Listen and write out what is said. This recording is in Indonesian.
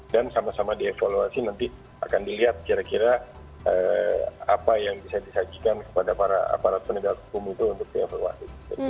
dan sama sama dievaluasi nanti akan dilihat kira kira apa yang bisa disajikan kepada para penegak hukum itu untuk dievaluasi